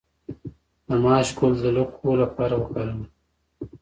د ماش ګل د لکو لپاره وکاروئ